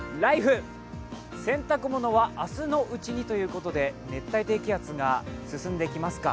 洗濯物は明日のうちにということで熱帯低気圧が進んできますか。